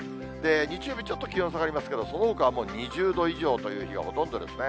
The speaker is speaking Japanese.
日曜日、ちょっと気温下がりますけれども、そのほかは２０度以上という日がほとんどですね。